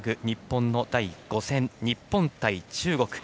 日本の第５戦の日本対中国。